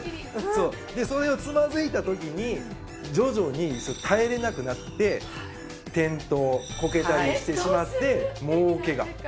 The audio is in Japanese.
それをつまずいた時に徐々に耐えられなくなって転倒こけたりしてしまって大ケガ。